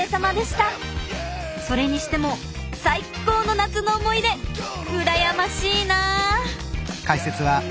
それにしても最高の夏の思い出羨ましいなぁ。